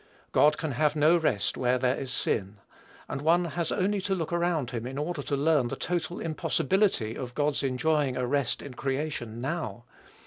God can have no rest where there is sin; and one has only to look around him in order to learn the total impossibility of God's enjoying a rest in creation now.